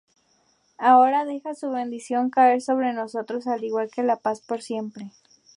Ahora deja su bendición caer sobre nosotros al igual que la paz por siempre.